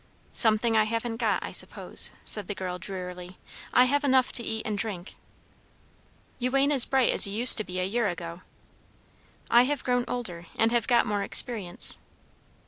"Something I haven't got, I suppose," said the girl drearily. "I have enough to eat and drink." "You ain't as bright as you used to be a year ago." "I have grown older, and have got more experience."